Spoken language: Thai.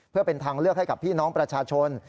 เพื่อเป็นทางเลือกให้กับพี่น้องประชาชน